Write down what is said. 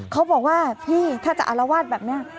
เขาบอกว่าพี่ถ้าจะอารวาสแบบนี้